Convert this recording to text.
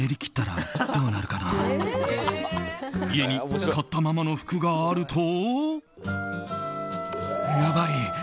家に買ったままの服があると。